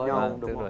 đúng không ạ